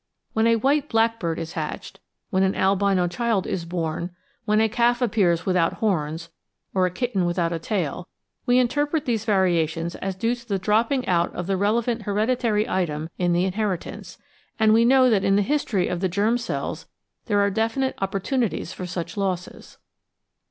When a white blackbird is hatched, when an albino child is bom, when a calf appears without horns or a kitten without a tail, we interpret these variations as due to the dropping out of the relevant hereditary item in the inher itance, and we know that in the history of the germ cells there are definite opportunities for such losses.